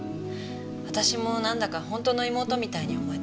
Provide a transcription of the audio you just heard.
私もなんだか本当の妹みたいに思えて。